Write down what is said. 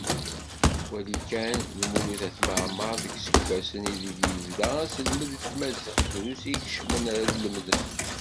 Wali kan Lmulud At Mεemmer deg yiseggasen ideg ibda aselmed n Tmaziɣt, drus i ikeccmen ad lemden.